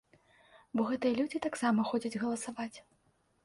Бо гэтыя людзі таксама ходзяць галасаваць.